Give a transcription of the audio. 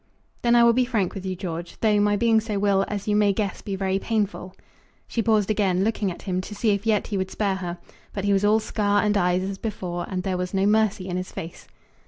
"Then I will be frank with you, George, though my being so will, as you may guess, be very painful." She paused again, looking at him to see if yet he would spare her; but he was all scar and eyes as before, and there was no mercy in his face.